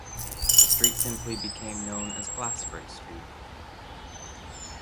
The street simply became known as Glassford Street.